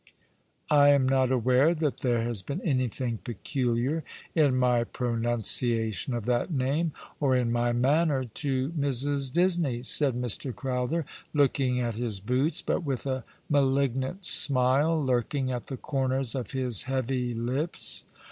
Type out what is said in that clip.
I am not aware that there has been anything peculiar in my pronunciation of that name — or in my manner to Mrs. Disney/' said Mr. Crowther, looking at his boots, but with a malignant smile lurking at the corners of his heavy lips.